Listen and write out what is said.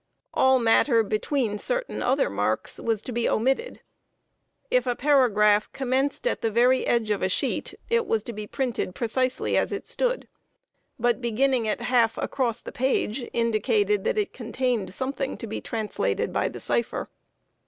All matter between certain other marks was to be omitted. If a paragraph commenced at the very edge of a sheet, it was to be printed precisely as it stood. But beginning it half across the page indicated that it contained something to be translated by the cipher.